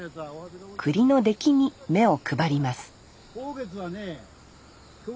栗の出来に目を配ります